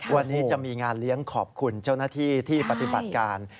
วันนี้จะมีงานเลี้ยงขอบคุณเจ้าหน้าที่ที่ปฏิบัติการ